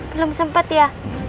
belum sempet ya